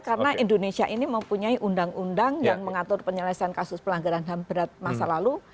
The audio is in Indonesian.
karena indonesia ini mempunyai undang undang yang mengatur penyelesaian kasus pelanggaran ham berat masa lalu